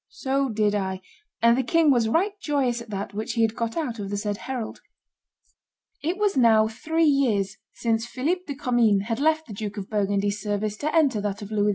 So did I, and the king was right joyous at that which he had got out of the said herald." [Illustration: Philip de Commynes 217] It was now three years since Philip de Commynes had left the Duke of Burgundy's service to enter that of Louis XI.